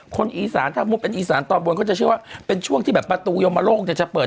คนอีสานถ้ามุติเป็นอีสานตอนบนเขาจะเชื่อว่าเป็นช่วงที่แบบประตูยมโลกเนี่ยจะเปิด